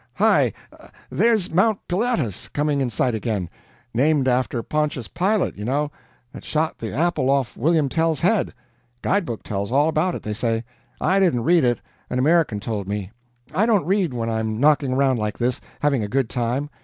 "Hi, there's Mount Pilatus coming in sight again. Named after Pontius Pilate, you know, that shot the apple off of William Tell's head. Guide book tells all about it, they say. I didn't read it an American told me. I don't read when I'm knocking around like this, having a good time.